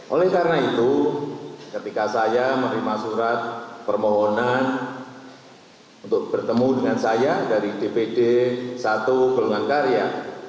oleh karena itu ketika saya menerima surat permohonan untuk bertemu dengan saya dari dpd satu belungan karya